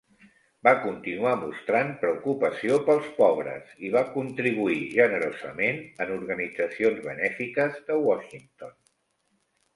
Va continuar mostrant preocupació pels pobres, i va contribuir generosament en organitzacions benèfiques de Washington.